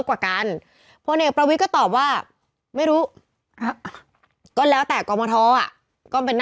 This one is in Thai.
อ่าอ่าอ่าอ่าอ่าอ่าอ่าอ่าอ่า